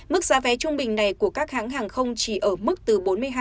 mức giá vé trung bình này của các hãng hàng không chỉ ở mức từ bốn mươi hai